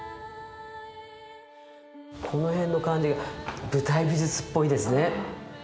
この辺の感じが舞台美術っぽいですね。